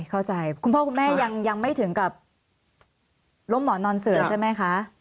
คุณพ่อคุณแม่ยังไม่ถึงกับล้มหมอนนอนเสือใช่ไหมคะ